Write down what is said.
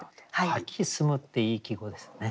「秋澄む」っていい季語ですね。